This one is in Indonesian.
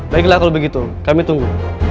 baiklah kalau begitu kami tunggu